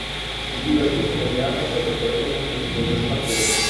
Die überwiegende Mehrheit der Bevölkerung ist römisch-katholisch.